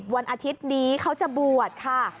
วันอาทิตย์นี้เขาจะบวชค่ะ